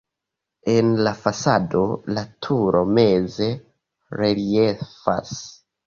En la fasado la turo meze reliefas.